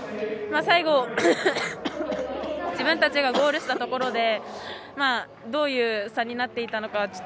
最後、自分たちがゴールしたところでどういう差になっていたのか。